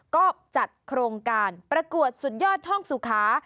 ก็จัดโครงการประกวดสุดยอดห้องสุขา